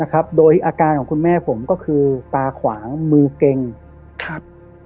โดยอาการของคุณแม่ผมก็คือตาขวางมือเก่งครับ